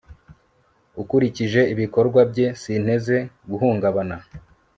ukurikije ibikorwa bye, sinteze guhungabana